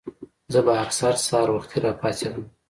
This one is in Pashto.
زۀ به اکثر سحر وختي راپاسېدم